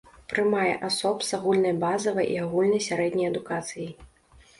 Прымае асоб з агульнай базавай і агульнай сярэдняй адукацыяй.